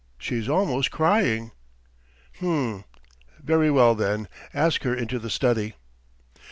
... She's almost crying." "H'm ... very well, then, ask her into the study."